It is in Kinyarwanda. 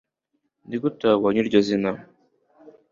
nigute wabonye iryo zina